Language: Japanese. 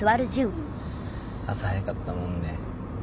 朝早かったもんね。